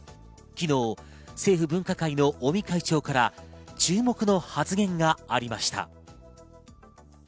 昨日、政府分科会の尾身会長から注目の発言がありました。